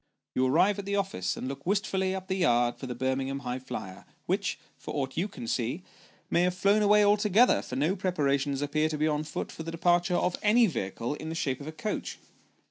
You arrive at the office, and look wistfully up the yard for the Birmingham High flier, which, for aught you can see, may have flown away altogether, for no preparations appear to be on foot for the departure of any vehicle in the shape of a coach.